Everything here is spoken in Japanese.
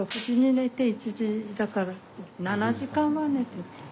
６時に寝て１時だから７時間は寝てる。